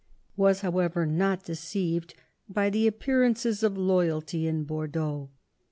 Mazarin was, however, not deceived by the appearances of loyalty in Bordeaux.